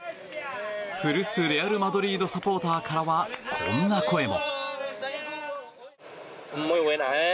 古巣レアル・マドリードサポーターからは、こんな声も。